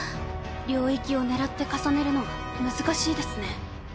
領域を狙って重ねるのは難しいですね。